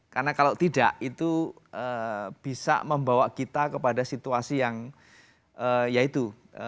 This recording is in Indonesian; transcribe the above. karena kalau tidak itu bisa membawa kita kepada situasi yang ya itu